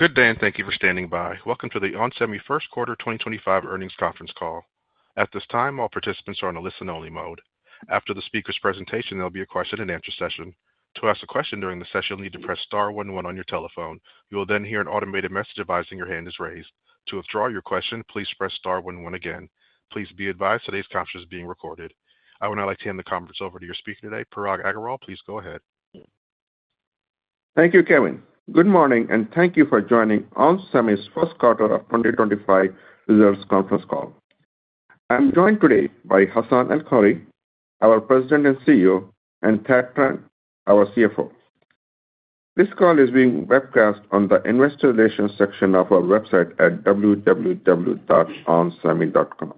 Good day and thank you for standing by. Welcome to the Onsemi Q1 2025 Earnings Conference Call. At this time, all participants are on a listen-only mode. After the speaker's presentation, there'll be a question-and-answer session. To ask a question during the session, you'll need to press star one one on your telephone. You will then hear an automated message advising your hand is raised. To withdraw your question, please press star one one again. Please be advised today's conference is being recorded. I would now like to hand the conference over to your speaker today, Parag Agarwal. Please go ahead. Thank you, Kevin. Good morning and thank you for joining Onsemi Q1 2025 Results Conference Call. I'm joined today by Hassane El-Khoury, our President and CEO, and Thad Trent, our CFO. This call is being webcast on the investor relations section of our website at www.onsemic.com.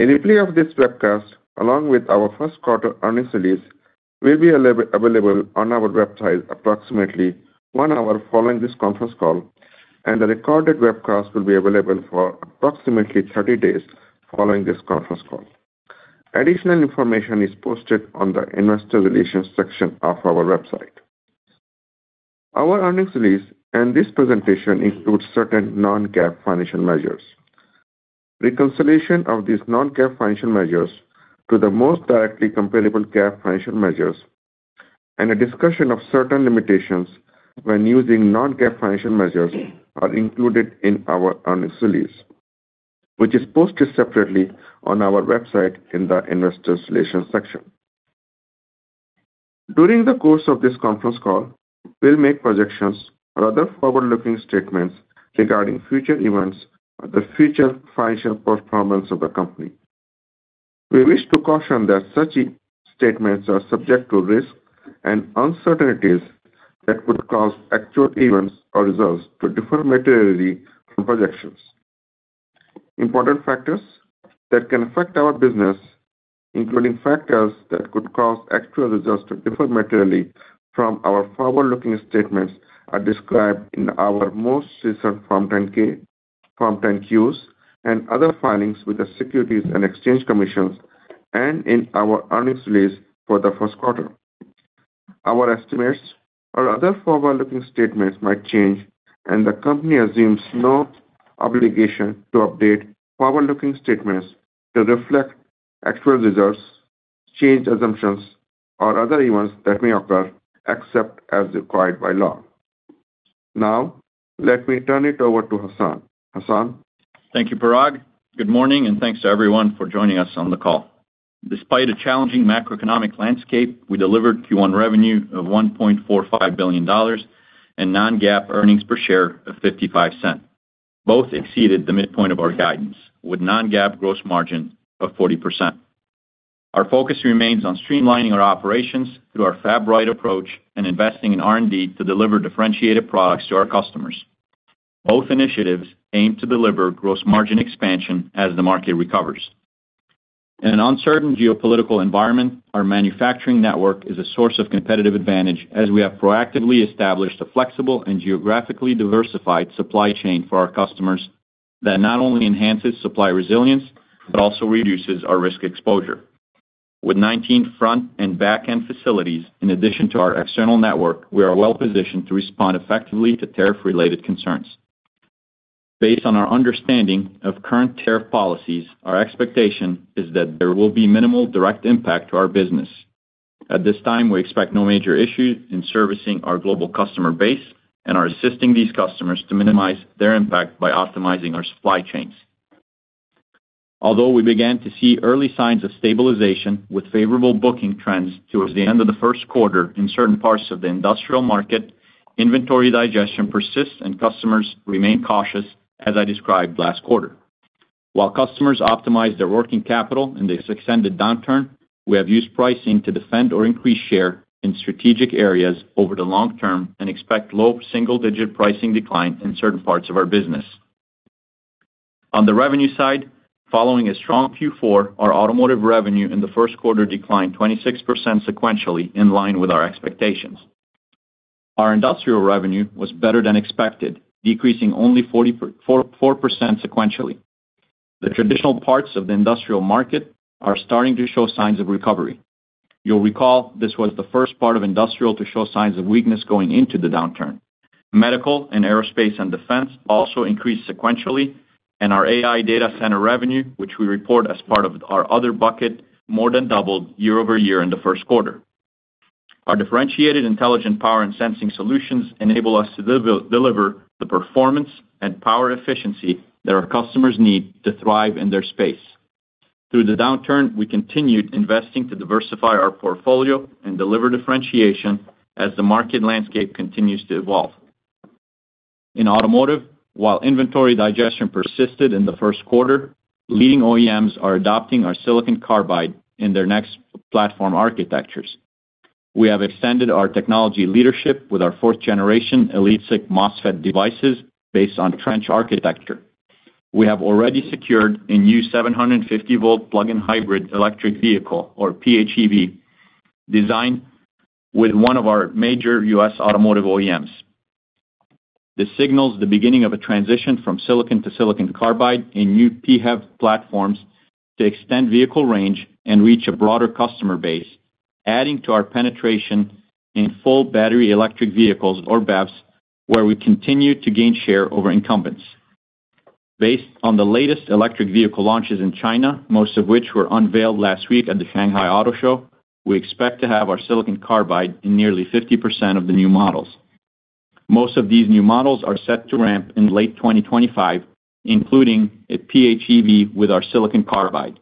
A replay of this webcast, along with our Q1 earnings release, will be available on our website approximately one hour following this conference call, and the recorded webcast will be available for approximately 30 days following this conference call. Additional information is posted on the investor relations section of our website. Our earnings release and this presentation include certain non-GAAP financial measures, reconciliation of these non-GAAP financial measures to the most directly comparable GAAP financial measures, and a discussion of certain limitations when using non-GAAP financial measures are included in our earnings release, which is posted separately on our website in the investor relations section. During the course of this conference call, we'll make projections or other forward-looking statements regarding future events or the future financial performance of the company. We wish to caution that such statements are subject to risk and uncertainties that could cause actual events or results to differ materially from projections. Important factors that can affect our business, including factors that could cause actual results to differ materially from our forward-looking statements, are described in our most recent Form 10Qs and other filings with the Securities and Exchange Commission and in our earnings release for the Q1. Our estimates or other forward-looking statements might change, and the company assumes no obligation to update forward-looking statements to reflect actual results, change assumptions, or other events that may occur except as required by law. Now, let me turn it over to Hassane. Thank you, Parag. Good morning, and thanks to everyone for joining us on the call. Despite a challenging macroeconomic landscape, we delivered Q1 revenue of $1.45 billion and non-GAAP earnings per share of $0.55. Both exceeded the midpoint of our guidance, with non-GAAP gross margin of 40%. Our focus remains on streamlining our operations through our Fab Right approach and investing in R&D to deliver differentiated products to our customers. Both initiatives aim to deliver gross margin expansion as the market recovers. In an uncertain geopolitical environment, our manufacturing network is a source of competitive advantage as we have proactively established a flexible and geographically diversified supply chain for our customers that not only enhances supply resilience but also reduces our risk exposure. With 19 front and back-end facilities in addition to our external network, we are well-positioned to respond effectively to tariff-related concerns. Based on our understanding of current tariff policies, our expectation is that there will be minimal direct impact to our business. At this time, we expect no major issues in servicing our global customer base and are assisting these customers to minimize their impact by optimizing our supply chains. Although we began to see early signs of stabilization with favorable booking trends towards the end of the Q1 in certain parts of the industrial market, inventory digestion persists and customers remain cautious as I described last quarter. While customers optimize their working capital in this extended downturn, we have used pricing to defend or increase share in strategic areas over the long term and expect low single-digit pricing decline in certain parts of our business. On the revenue side, following a strong Q4, our automotive revenue in the Q1 declined 26% sequentially, in line with our expectations. Our industrial revenue was better than expected, decreasing only 44% sequentially. The traditional parts of the industrial market are starting to show signs of recovery. You'll recall this was the first part of industrial to show signs of weakness going into the downturn. Medical and aerospace and defense also increased sequentially, and our AI data center revenue, which we report as part of our other bucket, more than doubled year over year in the Q1. Our differentiated intelligent power and sensing solutions enable us to deliver the performance and power efficiency that our customers need to thrive in their space. Through the downturn, we continued investing to diversify our portfolio and deliver differentiation as the market landscape continues to evolve. In automotive, while inventory digestion persisted in the Q1, leading OEMs are adopting our silicon carbide in their next platform architectures. We have extended our technology leadership with our fourth-generation EliteSiC MOSFET devices based on trench architecture. We have already secured a new 750-volt plug-in hybrid electric vehicle, or PHEV, designed with one of our major U.S. automotive OEMs. This signals the beginning of a transition from Silicon to Silicon Carbide in new PHEV platforms to extend vehicle range and reach a broader customer base, adding to our penetration in full battery electric vehicles, or BEVs, where we continue to gain share over incumbents. Based on the latest electric vehicle launches in China, most of which were unveiled last week at the Shanghai Auto Show, we expect to have our silicon carbide in nearly 50% of the new models. Most of these new models are set to ramp in late 2025, including a PHEV with our Silicon Carbide.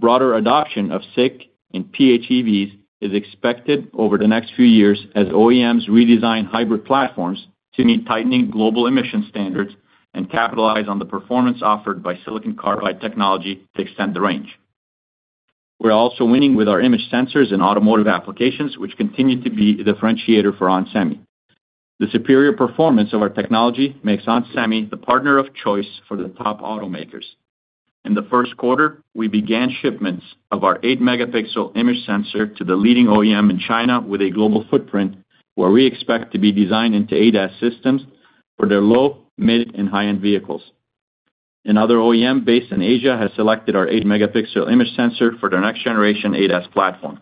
Broader adoption of SiC and PHEVs is expected over the next few years as OEMs redesign hybrid platforms to meet tightening global emissions standards and capitalize on the performance offered by silicon carbide technology to extend the range. We're also winning with our image sensors in automotive applications, which continue to be a differentiator for Onsemi. The superior performance of our technology makes Onsemi the partner of choice for the top automakers. In the Q1, we began shipments of our 8-megapixel image sensor to the leading OEM in China with a global footprint, where we expect to be designed into ADAS systems for their low, mid, and high-end vehicles. Another OEM based in Asia has selected our 8-megapixel image sensor for their next-generation ADAS platform.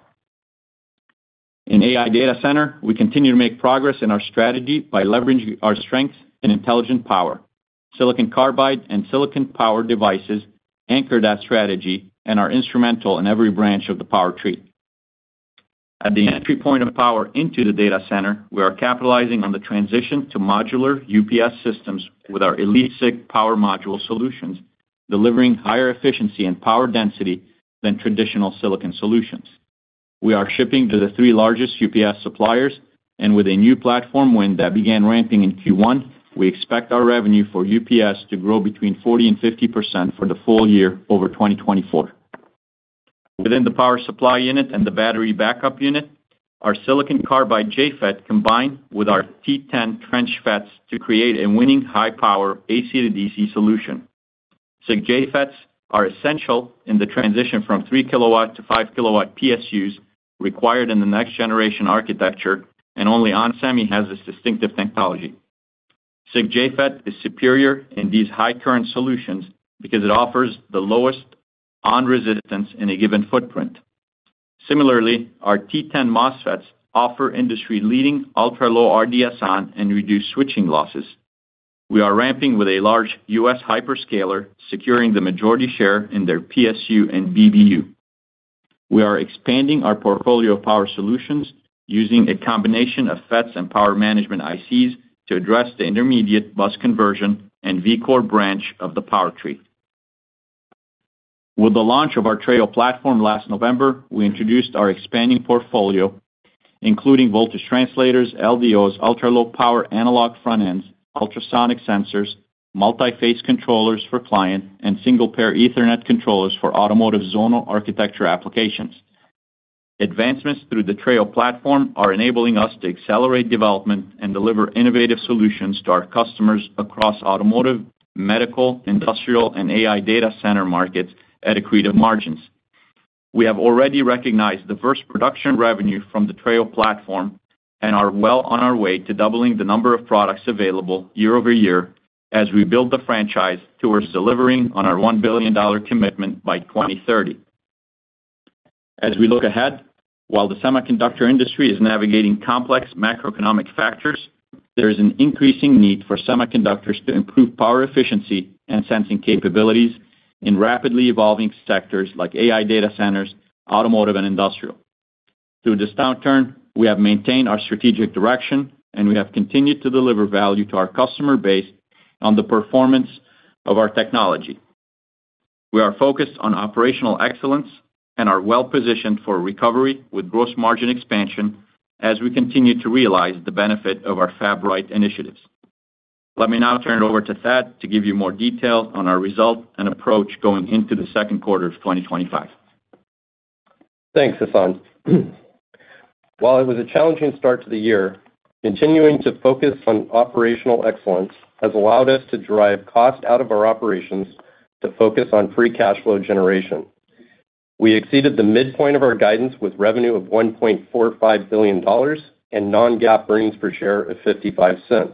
In AI data center, we continue to make progress in our strategy by leveraging our strengths in intelligent power. Silicon carbide and silicon power devices anchor that strategy and are instrumental in every branch of the power tree. At the entry point of power into the data center, we are capitalizing on the transition to modular UPS systems with our EliteSiC power module solutions, delivering higher efficiency and power density than traditional silicon solutions. We are shipping to the three largest UPS suppliers, and with a new platform win that began ramping in Q1, we expect our revenue for UPS to grow between 40% and 50% for the full year over 2024. Within the power supply unit and the battery backup unit, our Silicon Carbide JFET combined with our T10 trench FETs to create a winning high-power AC to DC solution. SiC JFETs are essential in the transition from 3-kilowatt to 5-kilowatt PSUs required in the next-generation architecture, and only Onsemi has this distinctive technology. SiC JFET is superior in these high-current solutions because it offers the lowest ON resistance in a given footprint. Similarly, our T10 MOSFETs offer industry-leading ultra-low RDS (ON) and reduced switching losses. We are ramping with a large U.S. hyperscaler, securing the majority share in their PSU and BBU. We are expanding our portfolio of power solutions using a combination of FETs and power management ICs to address the intermediate bus conversion and V-core branch of the power tree. With the launch of our TRAIL platform last November, we introduced our expanding portfolio, including voltage translators, LDOs, ultra-low power analog front ends, ultrasonic sensors, multi-phase controllers for clients, and single-pair Ethernet controllers for Automotive Zonal Architecture applications. Advancements through the TRAIL platform are enabling us to accelerate development and deliver innovative solutions to our customers across automotive, medical, industrial, and AI data center markets at accretive margins. We have already recognized the first production revenue from the TRAIL platform and are well on our way to doubling the number of products available year over year as we build the franchise towards delivering on our $1 billion commitment by 2030. As we look ahead, while the semiconductor industry is navigating complex macroeconomic factors, there is an increasing need for semiconductors to improve power efficiency and sensing capabilities in rapidly evolving sectors like AI data centers, automotive, and industrial. Through this downturn, we have maintained our strategic direction, and we have continued to deliver value to our customer base on the performance of our technology. We are focused on operational excellence and are well-positioned for recovery with gross margin expansion as we continue to realize the benefit of our Fab Right initiatives. Let me now turn it over to Thad to give you more details on our result and approach going into the Q2 of 2025. Thanks, Hassane. While it was a challenging start to the year, continuing to focus on operational excellence has allowed us to drive cost out of our operations to focus on free cash flow generation. We exceeded the midpoint of our guidance with revenue of $1.45 billion and non-GAAP earnings per share of $0.55,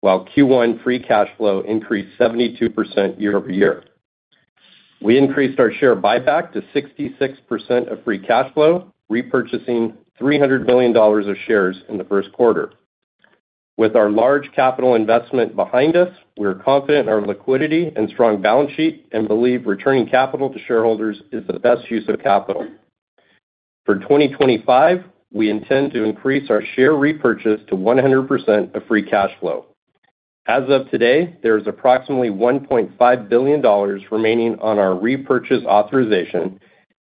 while Q1 free cash flow increased 72% year over year. We increased our share buyback to 66% of free cash flow, repurchasing $300 million of shares in the Q1. With our large capital investment behind us, we're confident in our liquidity and strong balance sheet and believe returning capital to shareholders is the best use of capital. For 2025, we intend to increase our share repurchase to 100% of free cash flow. As of today, there is approximately $1.5 billion remaining on our repurchase authorization,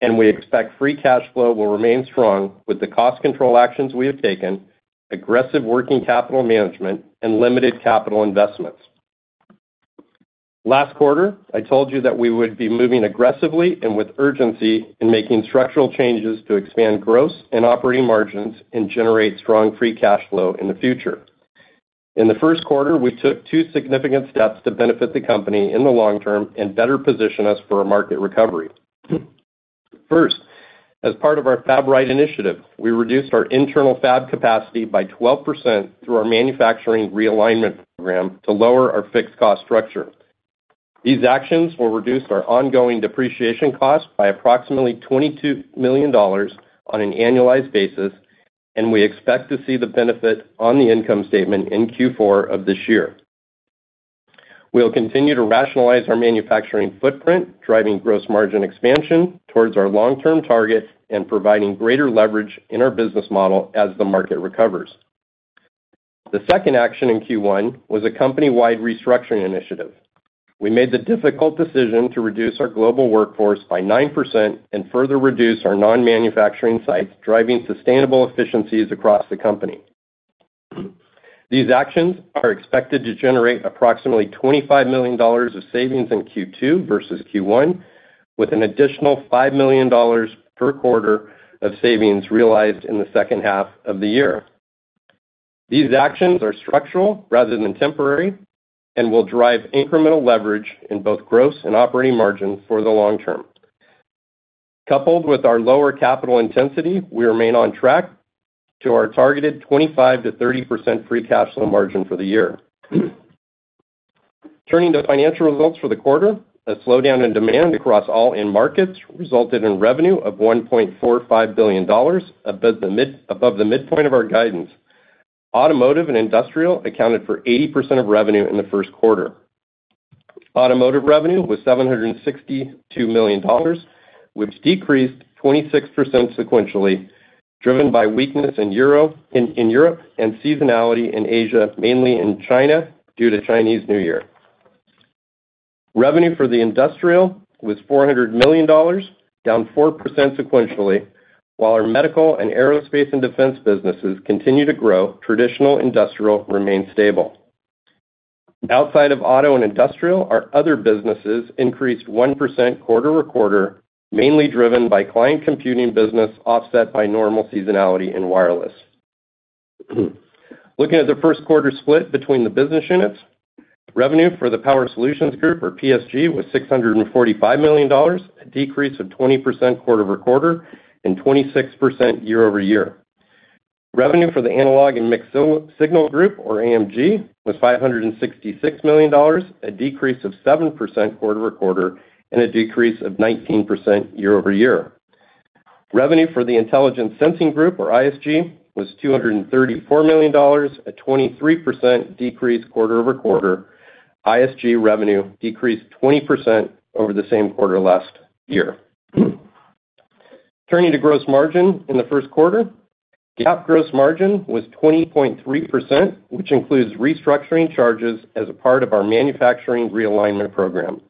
and we expect free cash flow will remain strong with the cost control actions we have taken, aggressive working capital management, and limited capital investments. Last quarter, I told you that we would be moving aggressively and with urgency in making structural changes to expand gross and operating margins and generate strong free cash flow in the future. In the Q1, we took two significant steps to benefit the company in the long term and better position us for a market recovery. First, as part of our Fab Right initiative, we reduced our internal fab capacity by 12% through our manufacturing realignment program to lower our fixed cost structure. These actions will reduce our ongoing depreciation cost by approximately $22 million on an annualized basis, and we expect to see the benefit on the income statement in Q4 of this year. We will continue to rationalize our manufacturing footprint, driving gross margin expansion towards our long-term target and providing greater leverage in our business model as the market recovers. The second action in Q1 was a company-wide restructuring initiative. We made the difficult decision to reduce our global workforce by 9% and further reduce our non-manufacturing sites, driving sustainable efficiencies across the company. These actions are expected to generate approximately $25 million of savings in Q2 versus Q1, with an additional $5 million per quarter of savings realized in the second half of the year. These actions are structural rather than temporary and will drive incremental leverage in both gross and operating margins for the long term. Coupled with our lower capital intensity, we remain on track to our targeted 25%-30% free cash flow margin for the year. Turning to financial results for the quarter, a slowdown in demand across all end markets resulted in revenue of $1.45 billion, above the midpoint of our guidance. Automotive and industrial accounted for 80% of revenue in the Q1. Automotive revenue was $762 million, which decreased 26% sequentially, driven by weakness in Europe and seasonality in Asia, mainly in China due to Chinese New Year. Revenue for the industrial was $400 million, down 4% sequentially, while our medical and aerospace and defense businesses continue to grow. Traditional industrial remains stable. Outside of auto and industrial, our other businesses increased 1% quarter to quarter, mainly driven by client computing business offset by normal seasonality in wireless. Looking at the Q1 split between the business units, revenue for the Power Solutions Group, or PSG, was $645 million, a decrease of 20% quarter to quarter and 26% year over year. Revenue for the Analog and Mixed Signal Group, or AMG, was $566 million, a decrease of 7% quarter to quarter and a decrease of 19% year over year. Revenue for the Intelligent Sensing Group, or ISG, was $234 million, a 23% decrease quarter to quarter. ISG revenue decreased 20% over the same quarter last year. Turning to gross margin in the Q1, GAAP gross margin was 20.3%, which includes restructuring charges as a part of our manufacturing realignment program.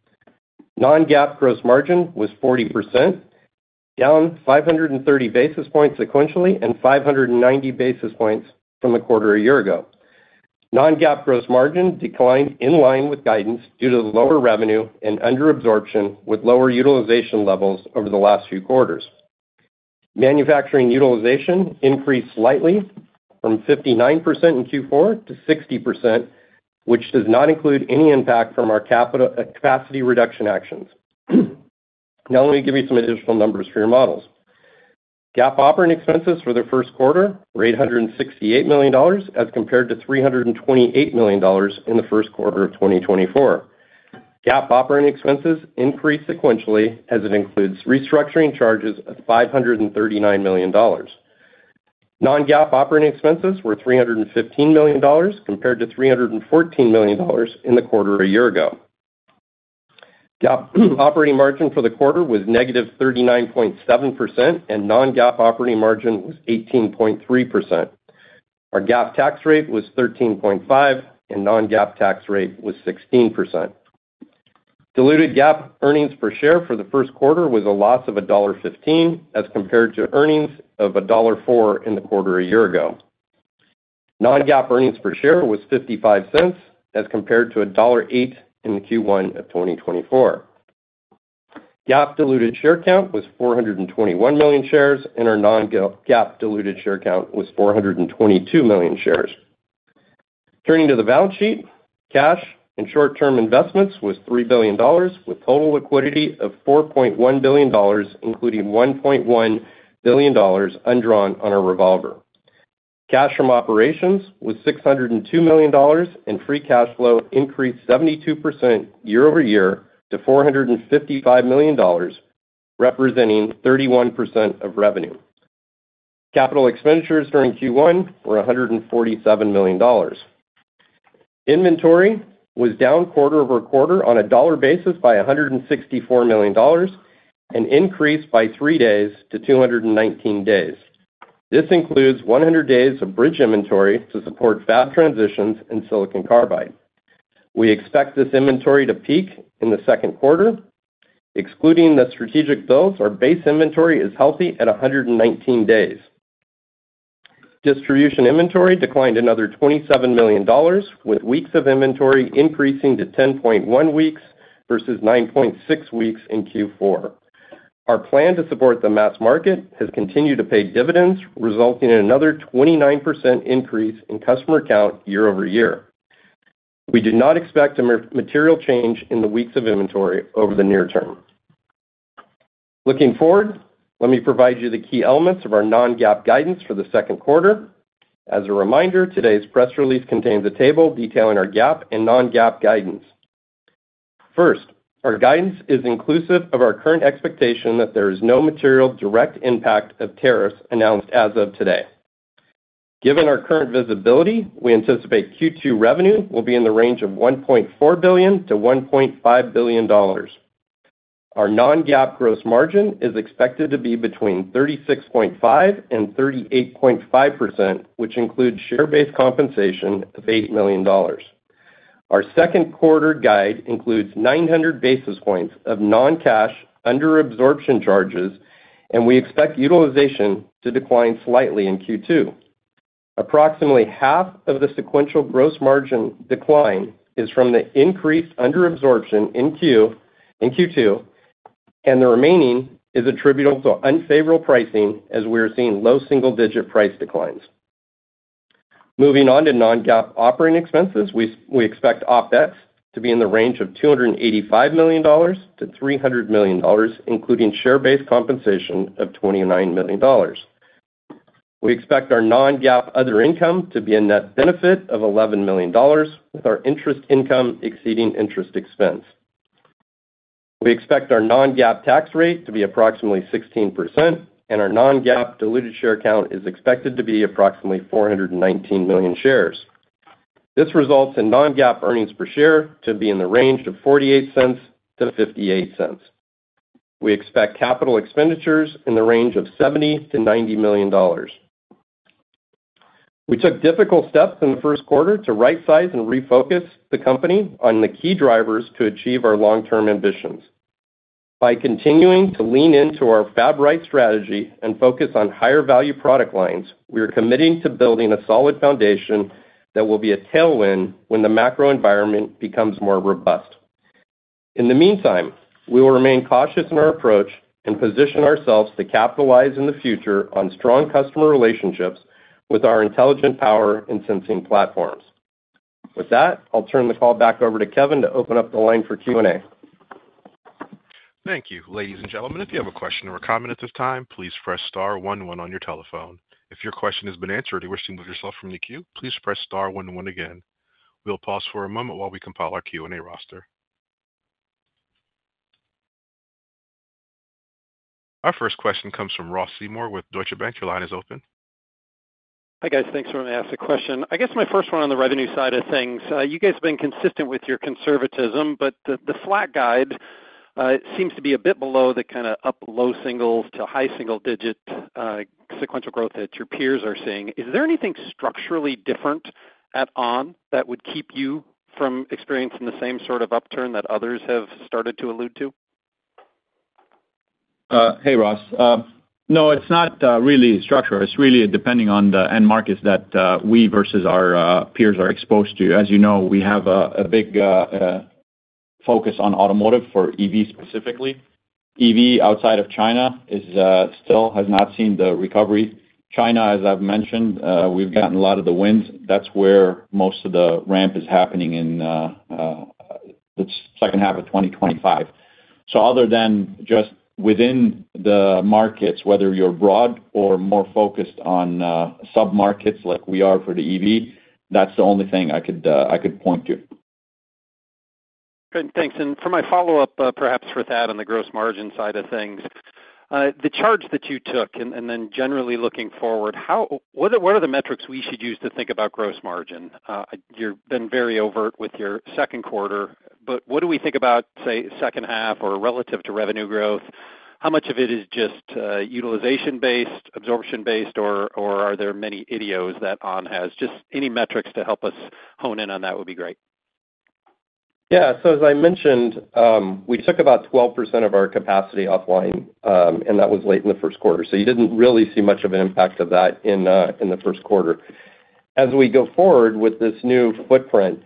Non-GAAP gross margin was 40%, down 530 basis points sequentially and 590 basis points from the quarter a year ago. Non-GAAP gross margin declined in line with guidance due to lower revenue and under absorption with lower utilization levels over the last few quarters. Manufacturing utilization increased slightly from 59% in Q4 to 60%, which does not include any impact from our capacity reduction actions. Now let me give you some additional numbers for your models. GAAP operating expenses for the Q1 were $868 million as compared to $328 million in the Q1 of 2024. GAAP operating expenses increased sequentially as it includes restructuring charges of $539 million. Non-GAAP operating expenses were $315 million compared to $314 million in the quarter a year ago. GAAP operating margin for the quarter was negative 39.7%, and non-GAAP operating margin was 18.3%. Our GAAP tax rate was 13.5%, and non-GAAP tax rate was 16%. Diluted GAAP earnings per share for the Q1 was a loss of $1.15 as compared to earnings of $1.04 in the quarter a year ago. Non-GAAP earnings per share was $0.55 as compared to $1.08 in Q1 of 2024. GAAP diluted share count was 421 million shares, and our non-GAAP diluted share count was 422 million shares. Turning to the balance sheet, cash and short-term investments was $3 billion, with total liquidity of $4.1 billion, including $1.1 billion undrawn on a revolver. Cash from operations was $602 million, and free cash flow increased 72% year over year to $455 million, representing 31% of revenue. Capital expenditures during Q1 were $147 million. Inventory was down quarter to quarter on a dollar basis by $164 million and increased by three days to 219 days. This includes 100 days of bridge inventory to support fab transitions in silicon carbide. We expect this inventory to peak in the Q2. Excluding the strategic builds, our base inventory is healthy at 119 days. Distribution inventory declined another $27 million, with weeks of inventory increasing to 10.1 weeks versus 9.6 weeks in Q4. Our plan to support the mass market has continued to pay dividends, resulting in another 29% increase in customer count year over year. We do not expect a material change in the weeks of inventory over the near term. Looking forward, let me provide you the key elements of our non-GAAP guidance for the Q2. As a reminder, today's press release contains a table detailing our GAAP and non-GAAP guidance. First, our guidance is inclusive of our current expectation that there is no material direct impact of tariffs announced as of today. Given our current visibility, we anticipate Q2 revenue will be in the range of $1.4 billion-$1.5 billion. Our non-GAAP gross margin is expected to be between 36.5%-38.5%, which includes share-based compensation of $8 million. Our Q2 guide includes 900 basis points of non-cash underabsorption charges, and we expect utilization to decline slightly in Q2. Approximately half of the sequential gross margin decline is from the increased underabsorption in Q2, and the remaining is attributable to unfavorable pricing as we are seeing low single-digit price declines. Moving on to non-GAAP operating expenses, we expect OPEX to be in the range of $285 million-$300 million, including share-based compensation of $29 million. We expect our non-GAAP other income to be a net benefit of $11 million, with our interest income exceeding interest expense. We expect our non-GAAP tax rate to be approximately 16%, and our non-GAAP diluted share count is expected to be approximately 419 million shares. This results in non-GAAP earnings per share to be in the range of $0.48-$0.58. We expect capital expenditures in the range of $70-$90 million. We took difficult steps in the Q1 to right-size and refocus the company on the key drivers to achieve our long-term ambitions. By continuing to lean into our Fab Right strategy and focus on higher value product lines, we are committing to building a solid foundation that will be a tailwind when the macro environment becomes more robust. In the meantime, we will remain cautious in our approach and position ourselves to capitalize in the future on strong customer relationships with our intelligent power and sensing platforms. With that, I'll turn the call back over to Kevin to open up the line for Q&A. Thank you. Ladies and gentlemen, if you have a question or a comment at this time, please press star one one on your telephone. If your question has been answered or you wish to move yourself from the queue, please press star one one again. We'll pause for a moment while we compile our Q&A roster. Our first question comes from Ross Seymore with Deutsche Bank. Your line is open. Hi guys, thanks for asking the question. I guess my first one on the revenue side of things, you guys have been consistent with your conservatism, but the flat guide seems to be a bit below the kind of up low singles to high single digit sequential growth that your peers are seeing. Is there anything structurally different at ON that would keep you from experiencing the same sort of upturn that others have started to allude to? Hey Ross, no, it's not really structural. It's really depending on the end markets that we versus our peers are exposed to. As you know, we have a big focus on automotive for EV specifically. EV outside of China still has not seen the recovery. China, as I've mentioned, we've gotten a lot of the winds. That's where most of the ramp is happening in the second half of 2025. Other than just within the markets, whether you're broad or more focused on sub-markets like we are for the EV, that's the only thing I could point to. Good, thanks. For my follow-up, perhaps with that on the gross margin side of things, the charge that you took and then generally looking forward, what are the metrics we should use to think about gross margin? You have been very overt with your Q2, but what do we think about, say, second half or relative to revenue growth? How much of it is just utilization-based, absorption-based, or are there many idios that ON has? Just any metrics to help us hone in on that would be great. Yeah, as I mentioned, we took about 12% of our capacity offline, and that was late in the Q1. You did not really see much of an impact of that in the Q1. As we go forward with this new footprint,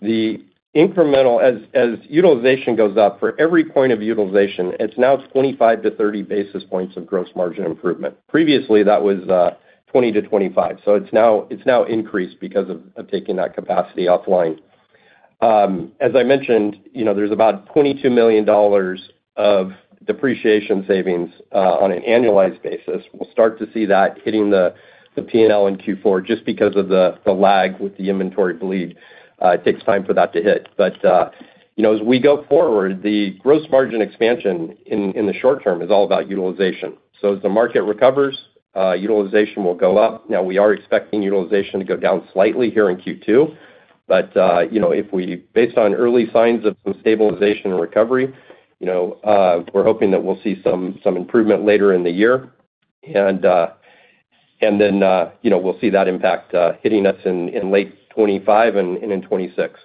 the incremental, as utilization goes up for every point of utilization, it is now 25-30 basis points of gross margin improvement. Previously, that was 20-25. It has now increased because of taking that capacity offline. As I mentioned, there is about $22 million of depreciation savings on an annualized basis. We will start to see that hitting the P&L in Q4 just because of the lag with the inventory bleed. It takes time for that to hit. As we go forward, the gross margin expansion in the short term is all about utilization. As the market recovers, utilization will go up. Now, we are expecting utilization to go down slightly here in Q2, but if we, based on early signs of some stabilization and recovery, we're hoping that we'll see some improvement later in the year. We will see that impact hitting us in late 2025 and in 2026.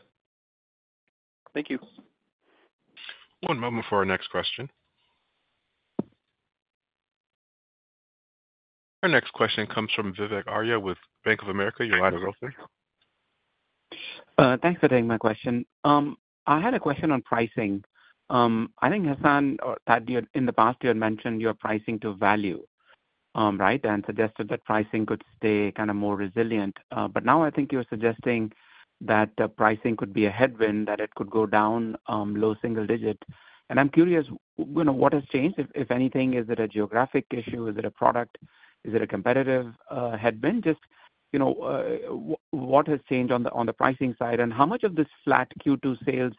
Thank you. One moment for our next question. Our next question comes from Vivek Arya with Bank of America. You're live as well, sir. Thanks for taking my question. I had a question on pricing. I think Hassane or Thad, in the past, you had mentioned your pricing to value, right, and suggested that pricing could stay kind of more resilient. Now I think you're suggesting that pricing could be a headwind, that it could go down low single digit. I'm curious what has changed, if anything. Is it a geographic issue? Is it a product? Is it a competitive headwind? Just what has changed on the pricing side? How much of this flat Q2 sales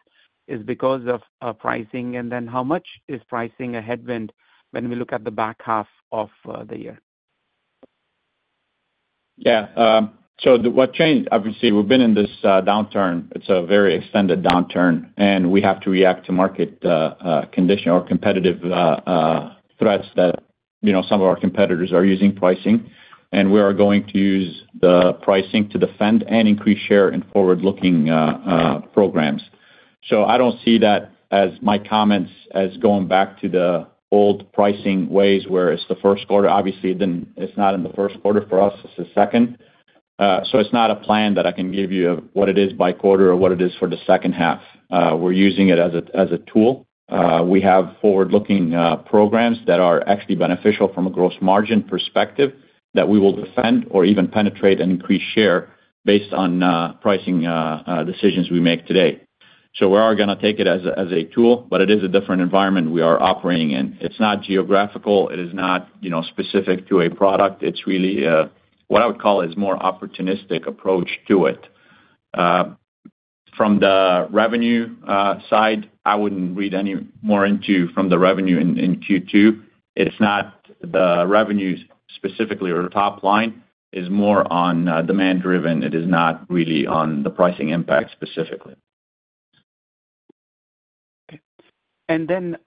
is because of pricing? How much is pricing a headwind when we look at the back half of the year? Yeah, so what changed? Obviously, we've been in this downturn. It's a very extended downturn, and we have to react to market conditions or competitive threats that some of our competitors are using pricing. We are going to use the pricing to defend and increase share in forward-looking programs. I don't see that as my comments as going back to the old pricing ways where it's the Q1. Obviously, it's not in the Q1 for us. It's the second. It's not a plan that I can give you of what it is by quarter or what it is for the second half. We're using it as a tool. We have forward-looking programs that are actually beneficial from a gross margin perspective that we will defend or even penetrate and increase share based on pricing decisions we make today. We are going to take it as a tool, but it is a different environment we are operating in. It's not geographical. It is not specific to a product. It's really what I would call is more opportunistic approach to it. From the revenue side, I wouldn't read any more into from the revenue in Q2. It's not the revenue specifically or top line is more on demand-driven. It is not really on the pricing impact specifically. Okay. Then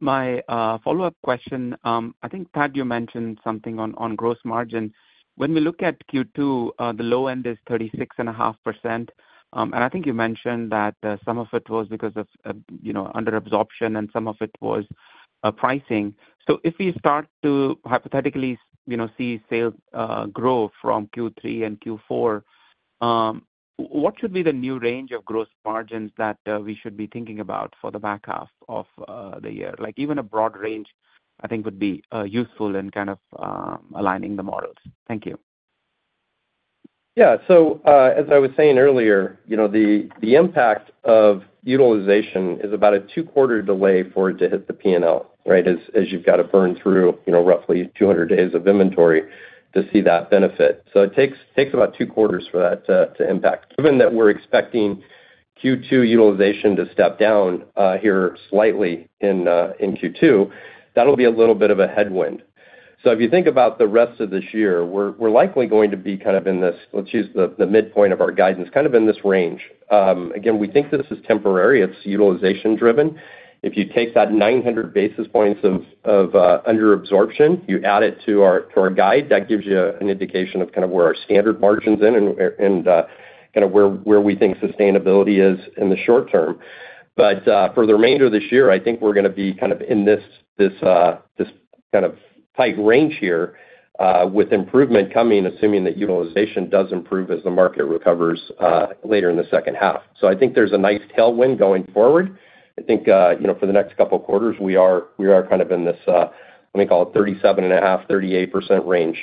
my follow-up question, I think Thad, you mentioned something on gross margin. When we look at Q2, the low end is 36.5%. I think you mentioned that some of it was because of under absorption and some of it was pricing. If we start to hypothetically see sales grow from Q3 and Q4, what should be the new range of gross margins that we should be thinking about for the back half of the year? Even a broad range, I think, would be useful in kind of aligning the models. Thank you. Yeah, as I was saying earlier, the impact of utilization is about a two-quarter delay for it to hit the P&L, right, as you've got to burn through roughly 200 days of inventory to see that benefit. It takes about two quarters for that to impact. Given that we're expecting Q2 utilization to step down here slightly in Q2, that'll be a little bit of a headwind. If you think about the rest of this year, we're likely going to be kind of in this, let's use the midpoint of our guidance, kind of in this range. Again, we think this is temporary. It's utilization-driven. If you take that 900 basis points of under absorption, you add it to our guide, that gives you an indication of kind of where our standard margins are and kind of where we think sustainability is in the short term. For the remainder of this year, I think we are going to be kind of in this kind of tight range here with improvement coming, assuming that utilization does improve as the market recovers later in the second half. I think there is a nice tailwind going forward. I think for the next couple of quarters, we are kind of in this, let me call it 37.5%-38% range,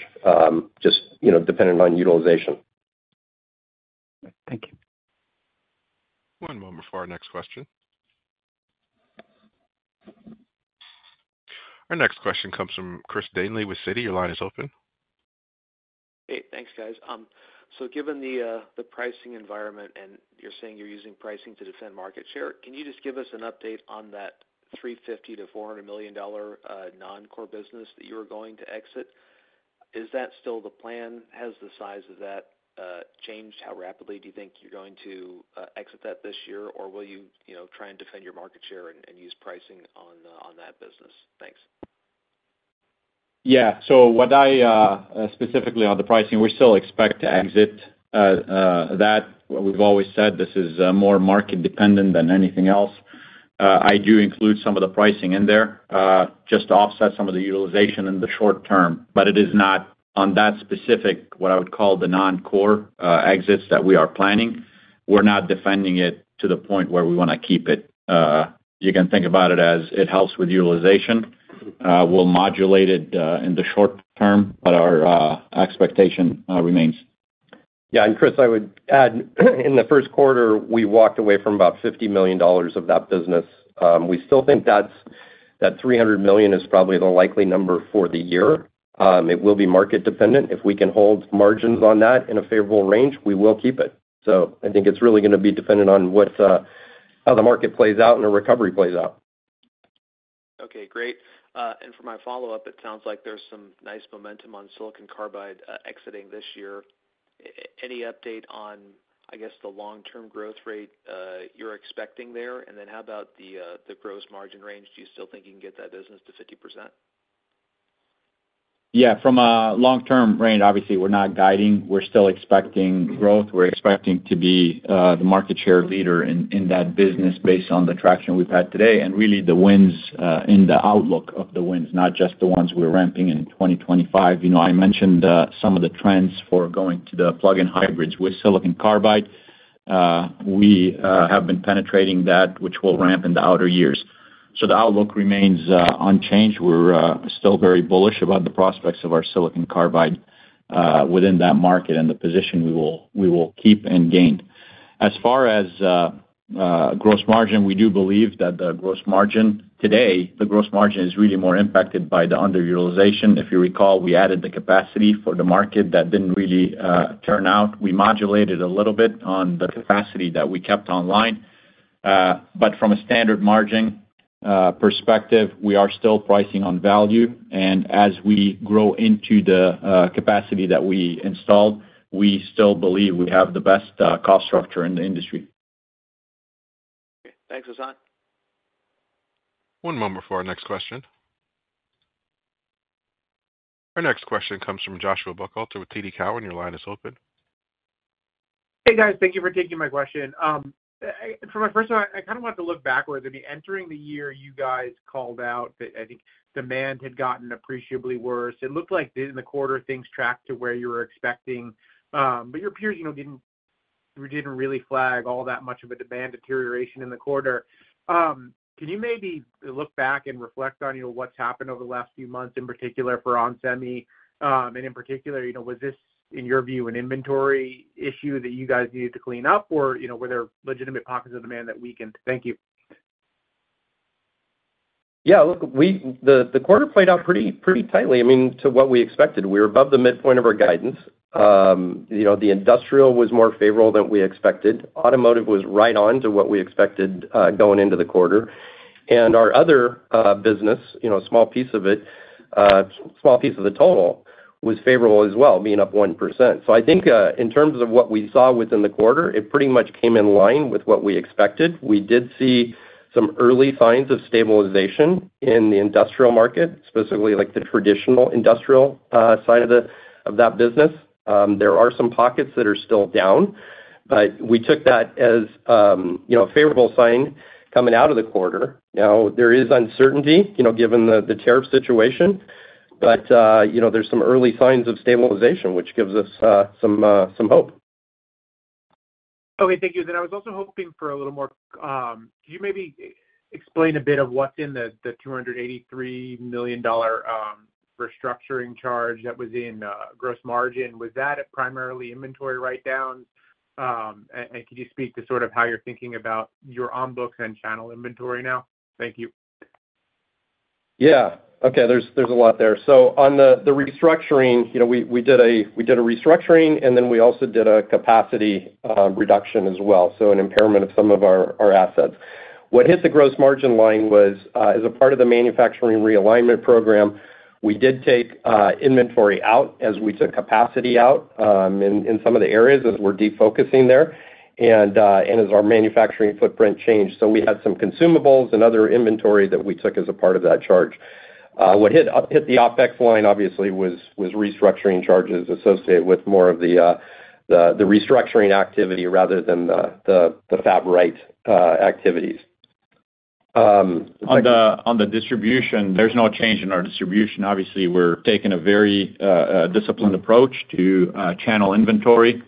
just depending on utilization. Thank you. One moment for our next question. Our next question comes from Chris Danely with Citi. Your line is open. Hey, thanks guys. Given the pricing environment and you're saying you're using pricing to defend market share, can you just give us an update on that $350 million to $400 million non-core business that you were going to exit? Is that still the plan? Has the size of that changed? How rapidly do you think you're going to exit that this year, or will you try and defend your market share and use pricing on that business? Thanks. Yeah, so what I specifically on the pricing, we still expect to exit that. We've always said this is more market-dependent than anything else. I do include some of the pricing in there just to offset some of the utilization in the short term, but it is not on that specific, what I would call the non-core exits that we are planning. We're not defending it to the point where we want to keep it. You can think about it as it helps with utilization. We'll modulate it in the short term, but our expectation remains. Yeah, Chris, I would add in the Q1, we walked away from about $50 million of that business. We still think that $300 million is probably the likely number for the year. It will be market-dependent. If we can hold margins on that in a favorable range, we will keep it. I think it is really going to be dependent on how the market plays out and the recovery plays out. Okay, great. For my follow-up, it sounds like there's some nice momentum on Silicon Carbide exiting this year. Any update on, I guess, the long-term growth rate you're expecting there? How about the gross margin range? Do you still think you can get that business to 50%? Yeah, from a long-term range, obviously, we're not guiding. We're still expecting growth. We're expecting to be the market share leader in that business based on the traction we've had today and really the winds in the outlook of the winds, not just the ones we're ramping in 2025. I mentioned some of the trends for going to the plug-in hybrids with Silicon Carbide. We have been penetrating that, which will ramp in the outer years. The outlook remains unchanged. We're still very bullish about the prospects of our Silicon Carbide within that market and the position we will keep and gain. As far as gross margin, we do believe that the gross margin today, the gross margin is really more impacted by the underutilization. If you recall, we added the capacity for the market that didn't really turn out. We modulated a little bit on the capacity that we kept online. From a standard margin perspective, we are still pricing on value. As we grow into the capacity that we installed, we still believe we have the best cost structure in the industry. Thanks, Hassane. One moment for our next question. Our next question comes from Joshua Buchalter with TD Cowen. Your line is open. Hey guys, thank you for taking my question. For my first one, I kind of wanted to look backwards. I mean, entering the year, you guys called out that I think demand had gotten appreciably worse. It looked like in the quarter, things tracked to where you were expecting, but your peers did not really flag all that much of a demand deterioration in the quarter. Can you maybe look back and reflect on what has happened over the last few months, in particular for Onsemi? And in particular, was this, in your view, an inventory issue that you guys needed to clean up, or were there legitimate pockets of demand that weakened? Thank you. Yeah, look, the quarter played out pretty tightly, I mean, to what we expected. We were above the midpoint of our guidance. The industrial was more favorable than we expected. Automotive was right on to what we expected going into the quarter. Our other business, a small piece of it, small piece of the total, was favorable as well, being up 1%. I think in terms of what we saw within the quarter, it pretty much came in line with what we expected. We did see some early signs of stabilization in the industrial market, specifically the traditional industrial side of that business. There are some pockets that are still down, but we took that as a favorable sign coming out of the quarter. Now, there is uncertainty given the tariff situation, but there are some early signs of stabilization, which gives us some hope. Okay, thank you. I was also hoping for a little more. Could you maybe explain a bit of what's in the $283 million restructuring charge that was in gross margin? Was that primarily inventory write-downs? Could you speak to sort of how you're thinking about your on books and channel inventory now? Thank you. Yeah, okay, there's a lot there. On the restructuring, we did a restructuring, and then we also did a capacity reduction as well, so an impairment of some of our assets. What hit the gross margin line was, as a part of the manufacturing realignment program, we did take inventory out as we took capacity out in some of the areas as we're defocusing there and as our manufacturing footprint changed. We had some consumables and other inventory that we took as a part of that charge. What hit the OPEX line, obviously, was restructuring charges associated with more of the restructuring activity rather than the Fab Right activities. On the distribution, there's no change in our distribution. Obviously, we're taking a very disciplined approach to channel inventory.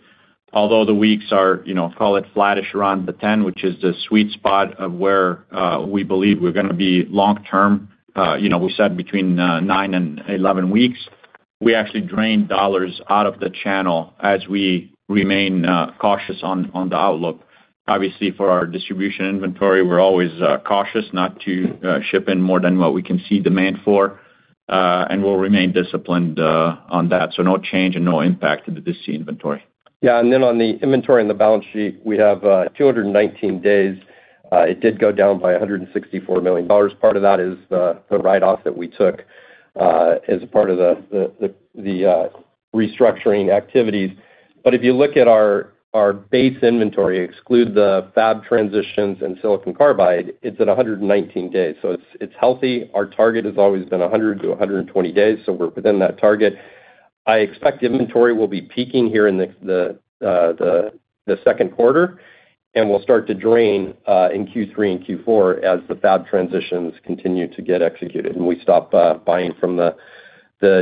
Although the weeks are, call it flattish around the 10, which is the sweet spot of where we believe we're going to be long-term, we said between 9 and 11 weeks, we actually drained dollars out of the channel as we remain cautious on the outlook. Obviously, for our distribution inventory, we're always cautious not to ship in more than what we can see demand for, and we'll remain disciplined on that. No change and no impact to the DC inventory. Yeah, and then on the inventory and the balance sheet, we have 219 days. It did go down by $164 million. Part of that is the write-off that we took as a part of the restructuring activities. If you look at our base inventory, exclude the fab transitions and silicon carbide, it's at 119 days. It is healthy. Our target has always been 100-120 days, so we are within that target. I expect inventory will be peaking here in the Q2, and we will start to drain in Q3 and Q4 as the fab transitions continue to get executed and we stop buying from the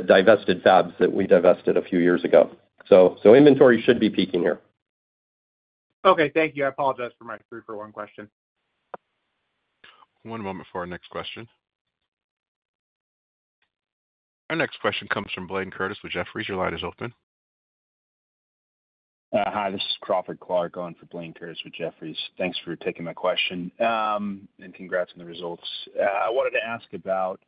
divested fabs that we divested a few years ago. Inventory should be peaking here. Okay, thank you. I apologize for my three-for-one question. One moment for our next question. Our next question comes from Blyane Curtis with Jefferies. Your line is open. Hi, this is Crawford Clarke on for Blaine Curtis with Jefferies. Thanks for taking my question and congrats on the results. I wanted to ask about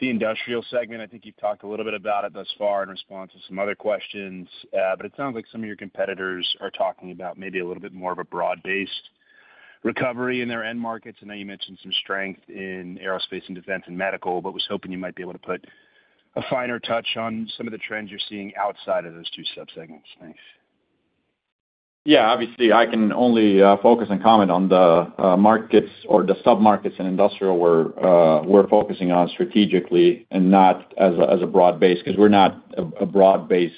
the industrial segment. I think you've talked a little bit about it thus far in response to some other questions, but it sounds like some of your competitors are talking about maybe a little bit more of a broad-based recovery in their end markets. I know you mentioned some strength in aerospace and defense and medical, but was hoping you might be able to put a finer touch on some of the trends you're seeing outside of those two subsegments. Thanks. Yeah, obviously, I can only focus and comment on the markets or the sub-markets in industrial where we're focusing on strategically and not as a broad base because we're not a broad-based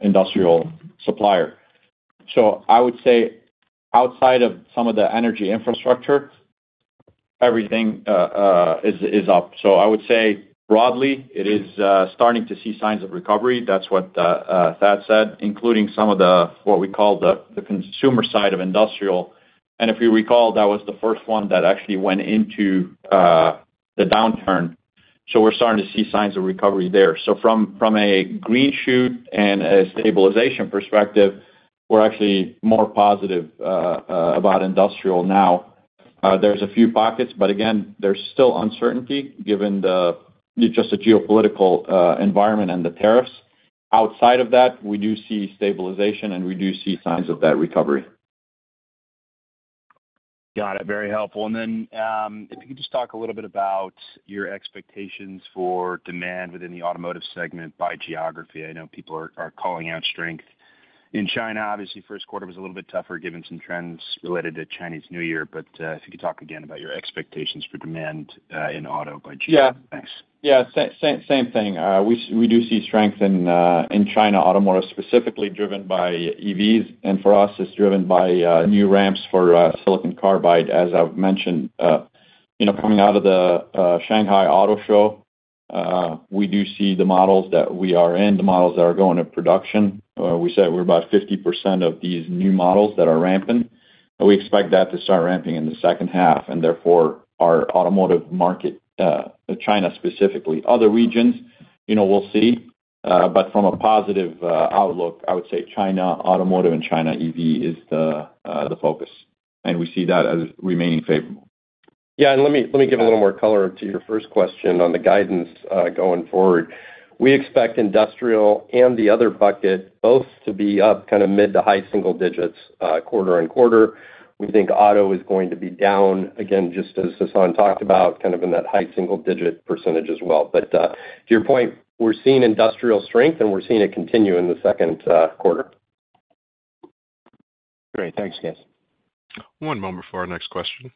industrial supplier. I would say outside of some of the energy infrastructure, everything is up. I would say broadly, it is starting to see signs of recovery. That is what Thad said, including some of the what we call the consumer side of industrial. If you recall, that was the first one that actually went into the downturn. We are starting to see signs of recovery there. From a green shoot and a stabilization perspective, we are actually more positive about industrial now. There are a few pockets, but again, there is still uncertainty given just the geopolitical environment and the tariffs. Outside of that, we do see stabilization, and we do see signs of that recovery. Got it. Very helpful. If you could just talk a little bit about your expectations for demand within the automotive segment by geography. I know people are calling out strength in China. Obviously, Q1 was a little bit tougher given some trends related to Chinese New Year. If you could talk again about your expectations for demand in auto by geography. Thanks. Yeah, same thing. We do see strength in China, automotive specifically driven by EVs. And for us, it's driven by new ramps for Silicon Carbide. As I've mentioned, coming out of the Shanghai Auto Show, we do see the models that we are in, the models that are going to production. We said we're about 50% of these new models that are ramping. We expect that to start ramping in the second half, and therefore our automotive market, China specifically. Other regions, we'll see. From a positive outlook, I would say China, automotive, and China EV is the focus. We see that as remaining favorable. Yeah, let me give a little more color to your first question on the guidance going forward. We expect industrial and the other bucket both to be up kind of mid to high single digits quarter on quarter. We think auto is going to be down again, just as Hassane talked about, kind of in that high single digit % as well. To your point, we're seeing industrial strength, and we're seeing it continue in the Q2. Great. Thanks, guys. One moment for our next question.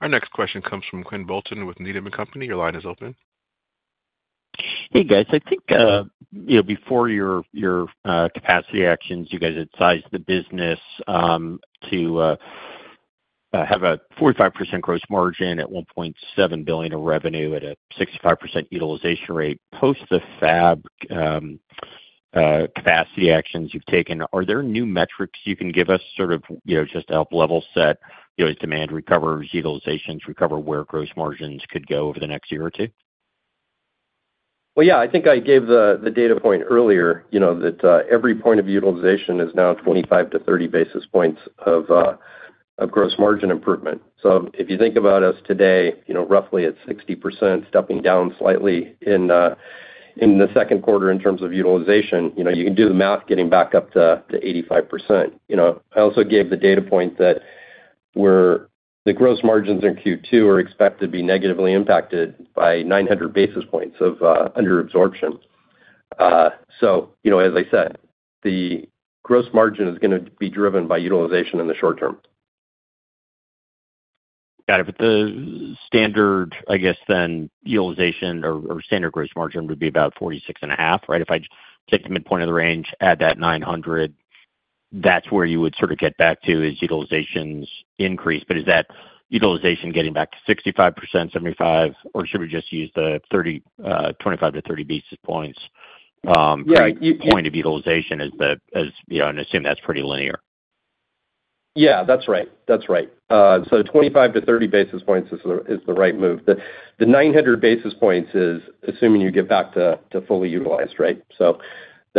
Our next question comes from Quinn Bolton with Needham & Company. Your line is open. Hey, guys. I think before your capacity actions, you guys had sized the business to have a 45% gross margin at $1.7 billion of revenue at a 65% utilization rate. Post the Fab Capacity Actions you've taken, are there new metrics you can give us sort of just to help level set as demand recovers, utilizations recover, where gross margins could go over the next year or two? I think I gave the data point earlier that every point of utilization is now 25-30 basis points of gross margin improvement. If you think about us today, roughly at 60%, stepping down slightly in the Q2 in terms of utilization, you can do the math getting back up to 85%. I also gave the data point that the gross margins in Q2 are expected to be negatively impacted by 900 basis points of underabsorption. As I said, the gross margin is going to be driven by utilization in the short term. Got it. The standard, I guess, then utilization or standard gross margin would be about 46.5%, right? If I take the midpoint of the range, add that 900, that's where you would sort of get back to as utilizations increase. Is that utilization getting back to 65%, 75%, or should we just use the 25 to 30 basis points? The point of utilization is the, and assume that's pretty linear. Yeah, that's right. That's right. 25 to 30 basis points is the right move. The 900 basis points is assuming you get back to fully utilized, right? That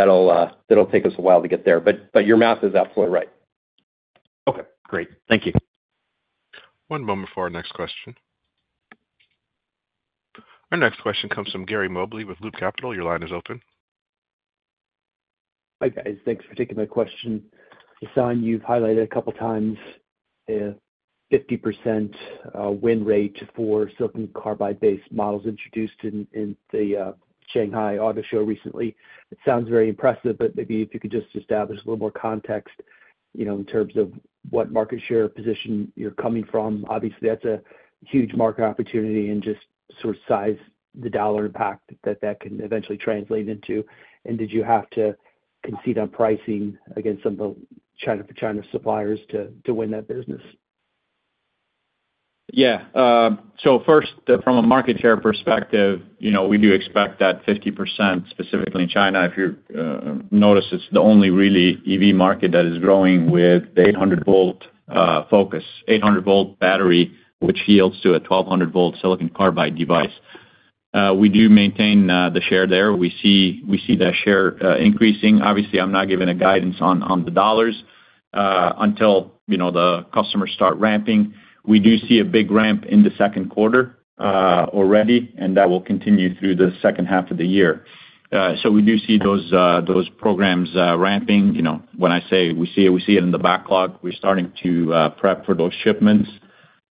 will take us a while to get there. Your math is absolutely right. Okay. Great. Thank you. One moment for our next question. Our next question comes from Gary Mobley with Loop Capital. Your line is open. Hi guys. Thanks for taking my question. Hassane, you've highlighted a couple of times a 50%-win rate for Silicon Carbide-based models introduced in the Shanghai Auto Show recently. It sounds very impressive, but maybe if you could just establish a little more context in terms of what market share position you're coming from. Obviously, that's a huge market opportunity and just sort of size the dollar impact that that can eventually translate into. Did you have to concede on pricing against some of the China for China suppliers to win that business? Yeah. First, from a market share perspective, we do expect that 50%, specifically in China. If you notice, it is the only really EV market that is growing with the 800-volt focus, 800-volt battery, which yields to a 1200-volt silicon carbide device. We do maintain the share there. We see that share increasing. Obviously, I am not giving a guidance on the dollars until the customers start ramping. We do see a big ramp in the Q2 already, and that will continue through the second half of the year. We do see those programs ramping. When I say we see it in the backlog, we are starting to prep for those shipments.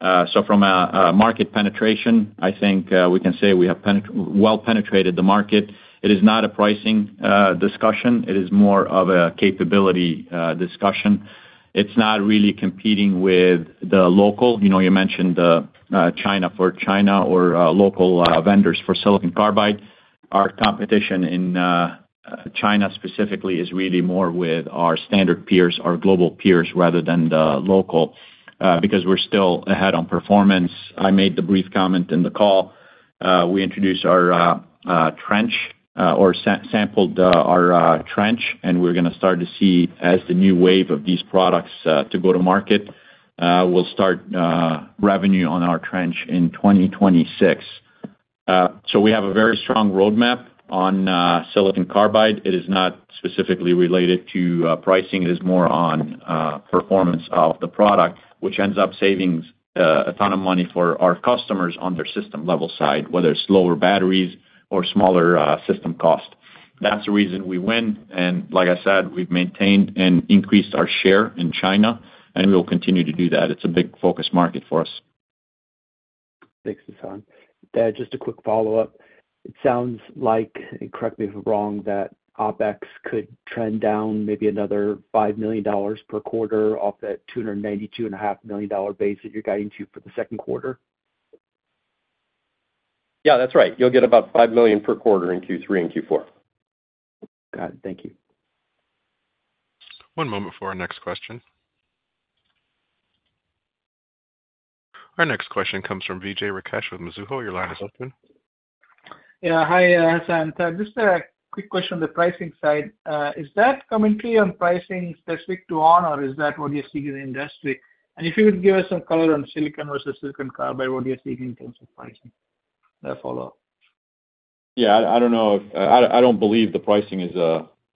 From a market penetration, I think we can say we have well penetrated the market. It is not a pricing discussion. It is more of a capability discussion. It is not really competing with the local. You mentioned China for China or local vendors for silicon carbide. Our competition in China specifically is really more with our standard peers, our global peers, rather than the local because we're still ahead on performance. I made the brief comment in the call. We introduced our trench or sampled our trench, and we're going to start to see as the new wave of these products to go to market, we'll start revenue on our trench in 2026. We have a very strong roadmap on Silicon Carbide. It is not specifically related to pricing. It is more on performance of the product, which ends up saving a ton of money for our customers on their system level side, whether it's lower batteries or smaller system cost. That's the reason we win. Like I said, we've maintained and increased our share in China, and we will continue to do that. It's a big focus market for us. Thanks, Hassane. Just a quick follow-up. It sounds like, and correct me if I'm wrong, that OPEX could trend down maybe another $5 million per quarter off that $292.5 million base that you're guiding to for the Q2. Yeah, that's right. You'll get about $5 million per quarter in Q3 and Q4. Got it. Thank you. One moment for our next question. Our next question comes from Vijay Rakesh with Mizuho. Your line is open. Yeah. Hi, Hassane. Just a quick question on the pricing side. Is that commentary on pricing specific to on, or is that what you see in the industry? If you could give us some color on Silicon versus Silicon Carbide, what do you see in terms of pricing? A follow-up. Yeah. I do not know. I do not believe the pricing is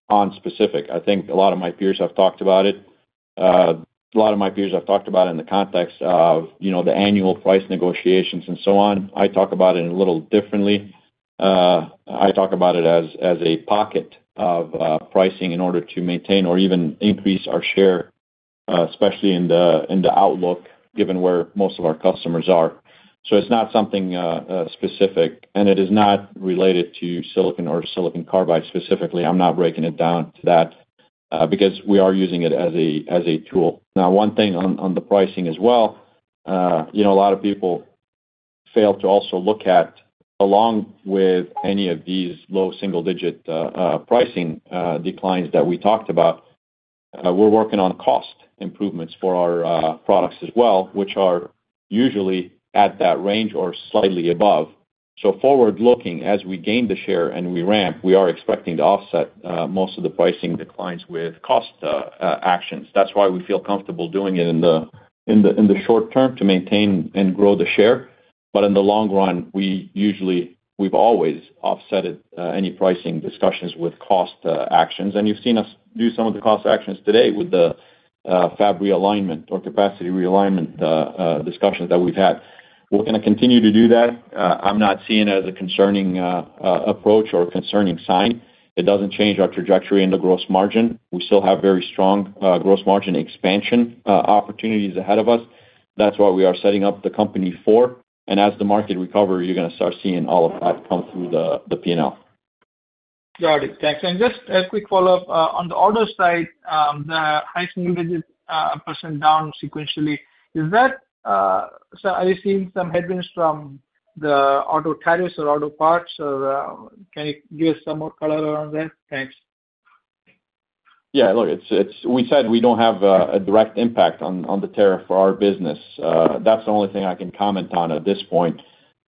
on specific. I think a lot of my peers have talked about it. A lot of my peers have talked about it in the context of the annual price negotiations and so on. I talk about it a little differently. I talk about it as a pocket of pricing in order to maintain or even increase our share, especially in the outlook, given where most of our customers are. It is not something specific, and it is not related to Silicon or Silicon Carbide specifically. I am not breaking it down to that because we are using it as a tool. Now, one thing on the pricing as well, a lot of people fail to also look at along with any of these low single-digit pricing declines that we talked about. We're working on cost improvements for our products as well, which are usually at that range or slightly above. Forward-looking, as we gain the share and we ramp, we are expecting to offset most of the pricing declines with cost actions. That's why we feel comfortable doing it in the short term to maintain and grow the share. In the long run, we usually we've always offset any pricing discussions with cost actions. You have seen us do some of the cost actions today with the fab realignment or capacity realignment discussions that we've had. We're going to continue to do that. I'm not seeing it as a concerning approach or a concerning sign. It does not change our trajectory in the gross margin. We still have very strong gross margin expansion opportunities ahead of us. That's what we are setting up the company for. As the market recovers, you're going to start seeing all of that come through the P&L. Got it. Thanks. Just a quick follow-up. On the auto side, the high single digit percent down sequentially, is that, are you seeing some headwinds from the auto tariffs or auto parts? Can you give us some more color around that? Thanks. Yeah. Look, we said we do not have a direct impact on the tariff for our business. That is the only thing I can comment on at this point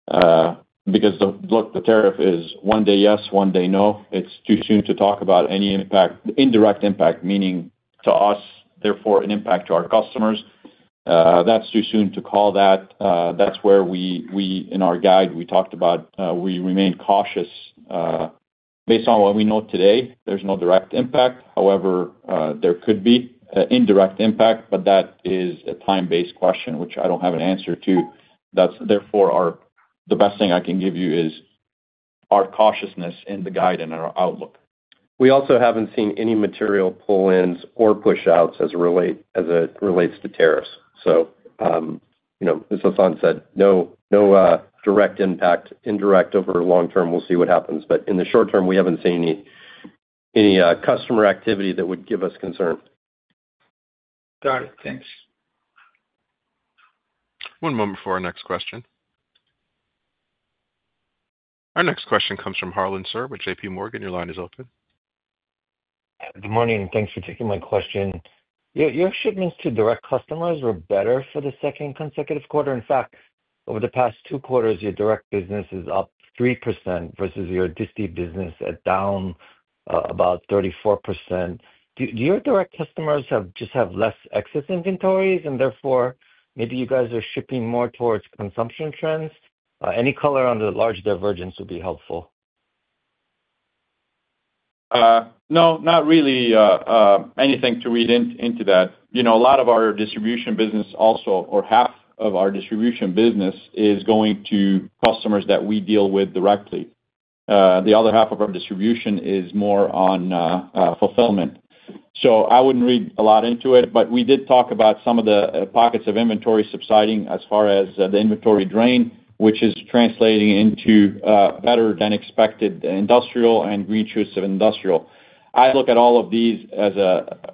because, look, the tariff is one day yes, one day no. It is too soon to talk about any impact, indirect impact, meaning to us, therefore an impact to our customers. That is too soon to call that. That is where we, in our guide, we talked about we remain cautious. Based on what we know today, there is no direct impact. However, there could be an indirect impact, but that is a time-based question, which I do not have an answer to. Therefore, the best thing I can give you is our cautiousness in the guide and our outlook. We also have not seen any material pull-ins or push-outs as it relates to tariffs. As Hassane said, no direct impact, indirect over the long term. We will see what happens. In the short term, we have not seen any customer activity that would give us concern. Got it. Thanks. One moment for our next question. Our next question comes from Harlan Sur with JP Morgan. Your line is open. Good morning. Thanks for taking my question. Your shipments to direct customers were better for the second consecutive quarter. In fact, over the past two quarters, your direct business is up 3% versus your disti business at down about 34%. Do your direct customers just have less excess inventories? Therefore, maybe you guys are shipping more towards consumption trends? Any color on the large divergence would be helpful. No, not really anything to read into that. A lot of our distribution business also, or half of our distribution business, is going to customers that we deal with directly. The other half of our distribution is more on fulfillment. I would not read a lot into it, but we did talk about some of the pockets of inventory subsiding as far as the inventory drain, which is translating into better than expected industrial and green choice of industrial. I look at all of these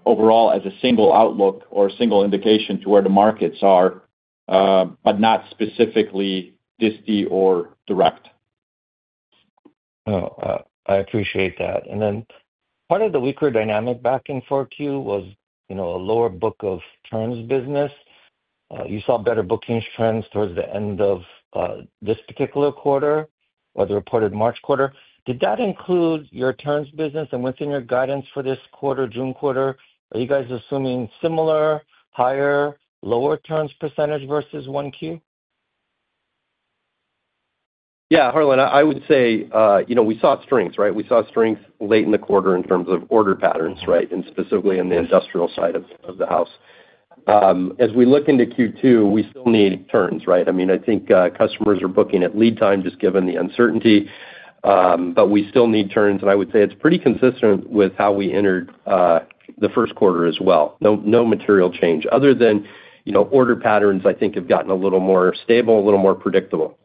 overall as a single outlook or a single indication to where the markets are, but not specifically distilled or direct. I appreciate that. Part of the weaker dynamic back in Q4 was a lower book of terms business. You saw better bookings trends towards the end of this particular quarter or the reported March quarter. Did that include your terms business? Within your guidance for this quarter, June quarter, are you guys assuming similar, higher, or lower terms percentage versus Q1? Yeah. Harlan, I would say we saw strengths, right? We saw strengths late in the quarter in terms of order patterns, right, and specifically on the industrial side of the house. As we look into Q2, we still need turns, right? I mean, I think customers are booking at lead time just given the uncertainty, but we still need turns. I would say it is pretty consistent with how we entered the Q1 as well. No material change other than order patterns, I think, have gotten a little more stable, a little more predictable.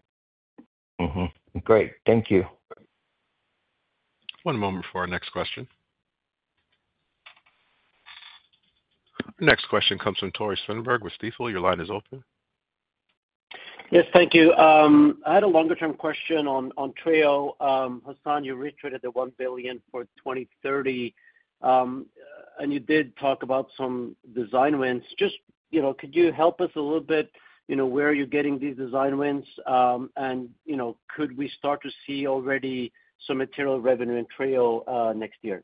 Great. Thank you. One moment for our next question. Our next question comes from Tori Swenberg with Stifel. Your line is open. Yes. Thank you. I had a longer-term question on TRAIL. Hassane, you reiterated the $1 billion for 2030, and you did talk about some design wins. Just could you help us a little bit? Where are you getting these design wins? And could we start to see already some material revenue in TRAIL next year?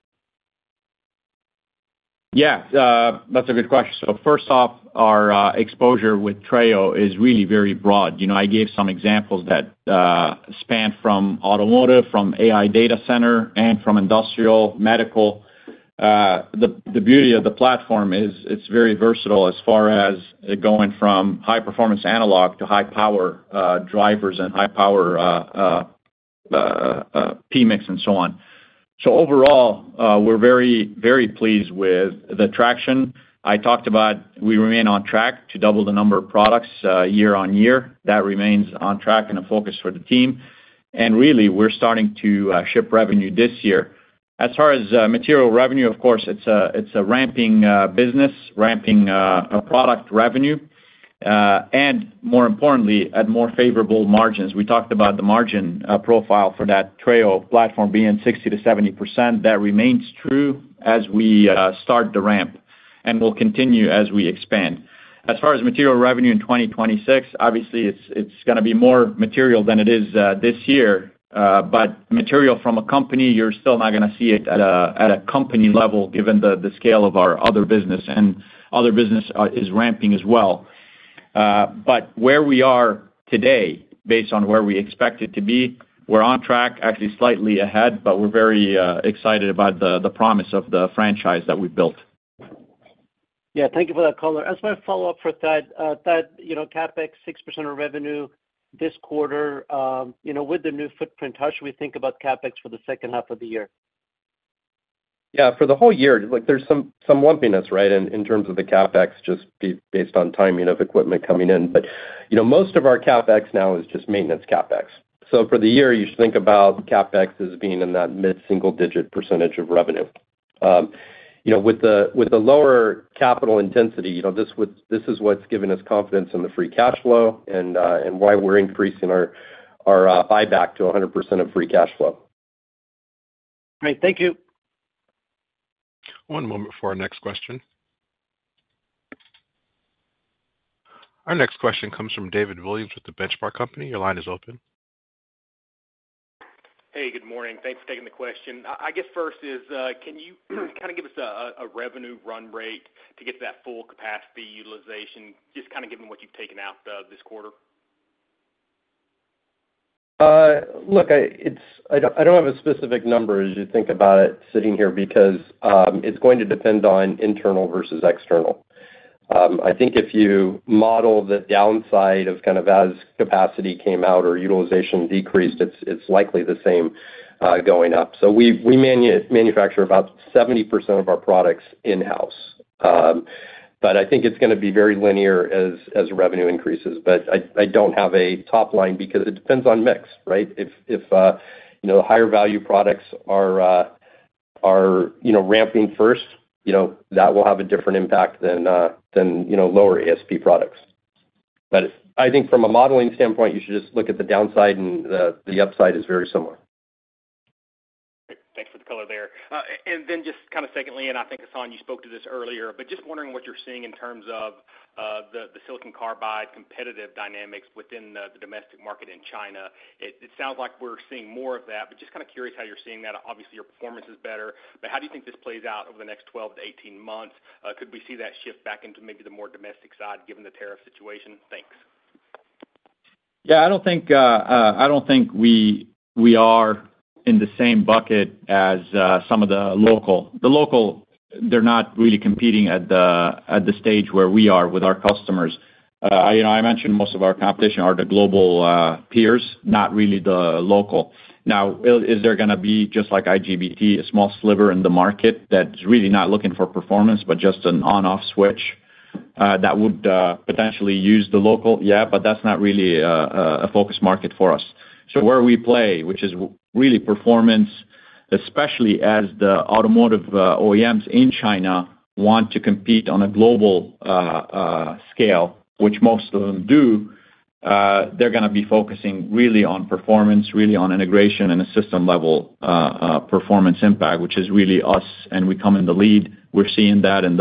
Yeah. That's a good question. First off, our exposure with TRAIL is really very broad. I gave some examples that span from automotive, from AI data center, and from industrial, medical. The beauty of the platform is it's very versatile as far as going from high-performance analog to high-power drivers and high-power PMIX and so on. Overall, we're very, very pleased with the traction. I talked about we remain on track to double the number of products year on year. That remains on track and a focus for the team. Really, we're starting to ship revenue this year. As far as material revenue, of course, it's a ramping business, ramping product revenue, and more importantly, at more favorable margins. We talked about the margin profile for that TRAIL platform being 60%-70%. That remains true as we start the ramp and will continue as we expand. As far as material revenue in 2026, obviously, it's going to be more material than it is this year. Material from a company, you're still not going to see it at a company level given the scale of our other business. Other business is ramping as well. Where we are today, based on where we expect it to be, we're on track, actually slightly ahead, but we're very excited about the promise of the franchise that we've built. Yeah. Thank you for that color. As my follow-up for Thad, Thad, CapEx, 6% of revenue this quarter. With the new footprint, how should we think about CapEx for the second half of the year? Yeah. For the whole year, there's some lumpiness, right, in terms of the CapEx, just based on timing of equipment coming in. Most of our CapEx now is just maintenance CapEx. For the year, you should think about CapEx as being in that mid-single-digit % of revenue. With the lower capital intensity, this is what's given us confidence in the free cash flow and why we're increasing our buyback to 100% of free cash flow. Great. Thank you. One moment for our next question. Our next question comes from David Williams with The Benchmark Company. Your line is open. Hey, good morning. Thanks for taking the question. I guess first is, can you kind of give us a revenue run rate to get to that full capacity utilization, just kind of given what you've taken out this quarter? Look, I do not have a specific number as you think about it sitting here because it is going to depend on internal versus external. I think if you model the downside of kind of as capacity came out or utilization decreased, it is likely the same going up. We manufacture about 70% of our products in-house. I think it is going to be very linear as revenue increases. I do not have a top line because it depends on mix, right? If the higher value products are ramping first, that will have a different impact than lower ASP products. I think from a modeling standpoint, you should just look at the downside, and the upside is very similar. Great. Thanks for the color there. Just kind of secondly, and I think, Hassane, you spoke to this earlier, but just wondering what you're seeing in terms of the silicon carbide competitive dynamics within the domestic market in China. It sounds like we're seeing more of that, but just kind of curious how you're seeing that. Obviously, your performance is better, but how do you think this plays out over the next 12 to 18 months? Could we see that shift back into maybe the more domestic side given the tariff situation? Thanks. Yeah. I don't think we are in the same bucket as some of the local. The local, they're not really competing at the stage where we are with our customers. I mentioned most of our competition are the global peers, not really the local. Now, is there going to be, just like IGBT, a small sliver in the market that's really not looking for performance, but just an on-off switch that would potentially use the local? Yeah, but that's not really a focus market for us. Where we play, which is really performance, especially as the automotive OEMs in China want to compete on a global scale, which most of them do, they're going to be focusing really on performance, really on integration and a system-level performance impact, which is really us, and we come in the lead. We're seeing that in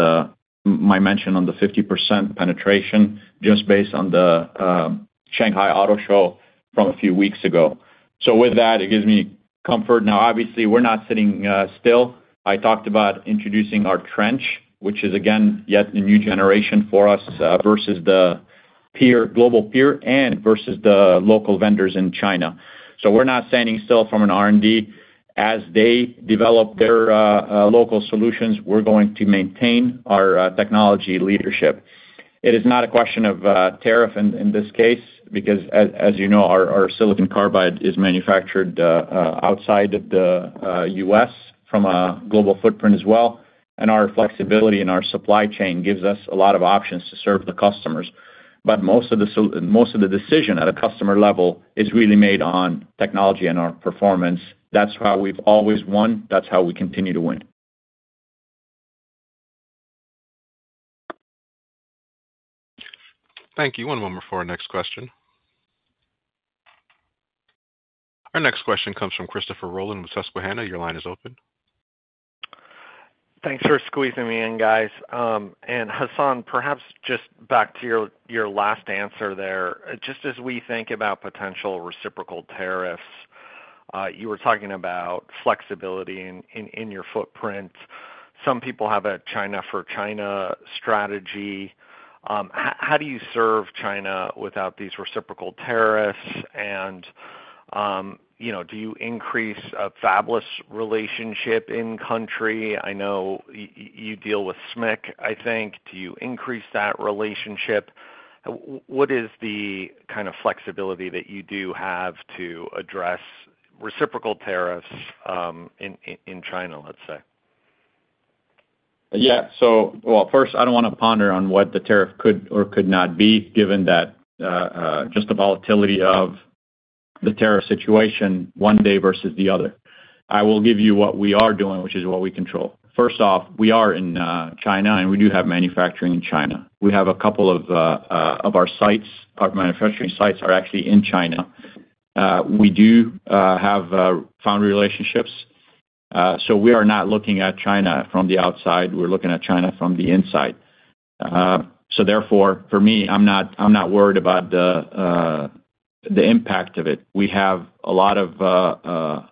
my mention on the 50% penetration just based on the Shanghai Auto Show from a few weeks ago. With that, it gives me comfort. Now, obviously, we're not sitting still. I talked about introducing our trench, which is, again, yet a new generation for us versus the global peer and versus the local vendors in China. We're not standing still from an R&D. As they develop their local solutions, we're going to maintain our technology leadership. It is not a question of tariff in this case because, as you know, our silicon carbide is manufactured outside the U.S. from a global footprint as well. Our flexibility in our supply chain gives us a lot of options to serve the customers. Most of the decision at a customer level is really made on technology and our performance. That's how we've always won. That's how we continue to win. Thank you. One moment for our next question. Our next question comes from Christopher Rolland with Susquehanna. Your line is open. Thanks for squeezing me in, guys. And Hassane, perhaps just back to your last answer there. Just as we think about potential reciprocal tariffs, you were talking about flexibility in your footprint. Some people have a China for China strategy. How do you serve China without these reciprocal tariffs? And do you increase a fabless relationship in-country? I know you deal with SMIC, I think. Do you increase that relationship? What is the kind of flexibility that you do have to address reciprocal tariffs in China, let's say? Yeah. First, I do not want to ponder on what the tariff could or could not be, given just the volatility of the tariff situation one day versus the other. I will give you what we are doing, which is what we control. First off, we are in China, and we do have manufacturing in China. We have a couple of our manufacturing sites actually in China. We do have found relationships. We are not looking at China from the outside. We are looking at China from the inside. Therefore, for me, I am not worried about the impact of it. We have a lot of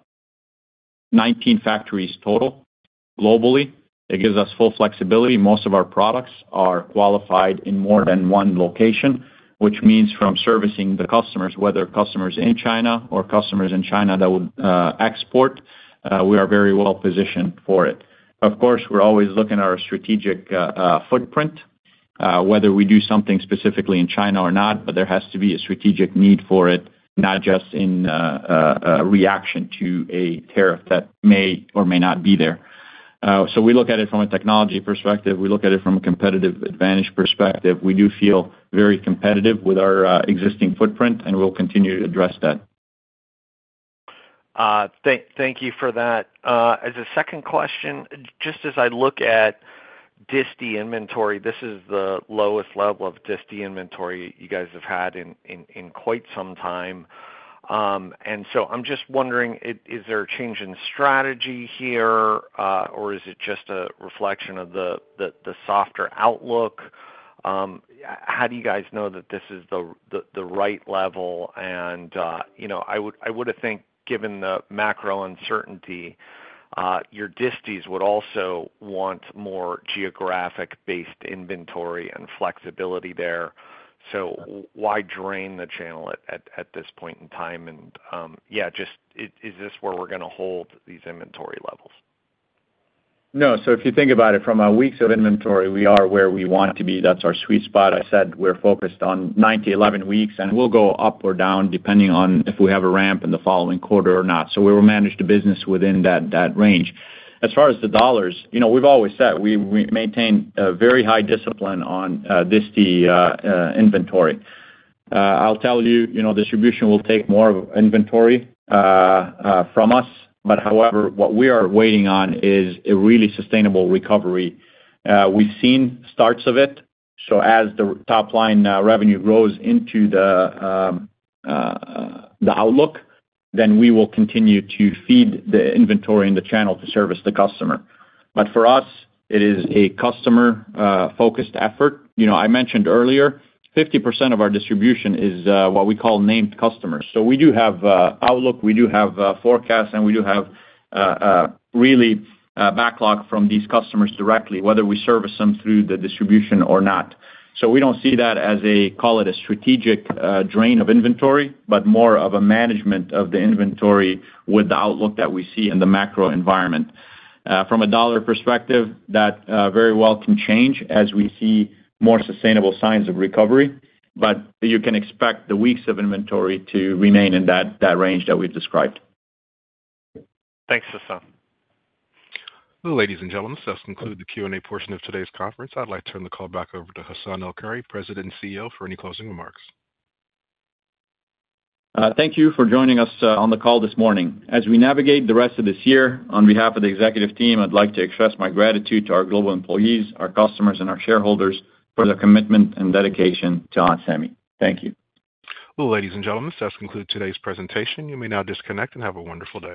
19 factories total globally. It gives us full flexibility. Most of our products are qualified in more than one location, which means from servicing the customers, whether customers in China or customers in China that would export, we are very well positioned for it. Of course, we're always looking at our strategic footprint, whether we do something specifically in China or not, but there has to be a strategic need for it, not just in reaction to a tariff that may or may not be there. We look at it from a technology perspective. We look at it from a competitive advantage perspective. We do feel very competitive with our existing footprint, and we'll continue to address that. Thank you for that. As a second question, just as I look at distilled inventory, this is the lowest level of distilled inventory you guys have had in quite some time. I am just wondering, is there a change in strategy here, or is it just a reflection of the softer outlook? How do you guys know that this is the right level? I would have thought, given the macro uncertainty, your distilled would also want more geographic-based inventory and flexibility there. Why drain the channel at this point in time? Is this where we are going to hold these inventory levels? No. If you think about it, from our weeks of inventory, we are where we want to be. That's our sweet spot. I said we're focused on 9 to 11 weeks, and we'll go up or down depending on if we have a ramp in the following quarter or not. We will manage the business within that range. As far as the dollars, we've always said we maintain a very high discipline on distilled inventory. I'll tell you, distribution will take more inventory from us. However, what we are waiting on is a really sustainable recovery. We've seen starts of it. As the top line revenue grows into the outlook, we will continue to feed the inventory in the channel to service the customer. For us, it is a customer-focused effort. I mentioned earlier, 50% of our distribution is what we call named customers. We do have outlook. We do have forecasts, and we do have really backlog from these customers directly, whether we service them through the distribution or not. We do not see that as a, call it a strategic drain of inventory, but more of a management of the inventory with the outlook that we see in the macro environment. From a dollar perspective, that very well can change as we see more sustainable signs of recovery. You can expect the weeks of inventory to remain in that range that we have described. Thanks, Hassan. Ladies and gentlemen, that has concluded the Q&A portion of today's conference. I'd like to turn the call back over to Hassane El-Khoury, President and CEO, for any closing remarks. Thank you for joining us on the call this morning. As we navigate the rest of this year, on behalf of the executive team, I'd like to express my gratitude to our global employees, our customers, and our shareholders for their commitment and dedication to Onsemi. Thank you. Ladies and gentlemen, that concludes today's presentation. You may now disconnect and have a wonderful day.